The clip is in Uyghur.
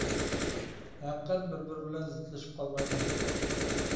ھەقىقەت بىر بىرى بىلەن زىتلىشىپ قالمايدۇ.